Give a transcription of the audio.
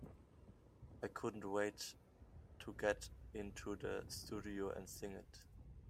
I couldn't wait to get into the studio and sing it.